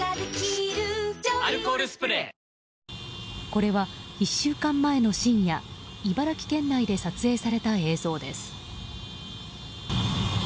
これは１週間前の深夜茨城県内で撮影された映像です。